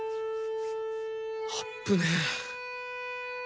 あっぶね。